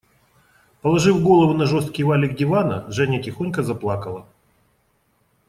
Положив голову на жесткий валик дивана, Женя тихонько заплакала.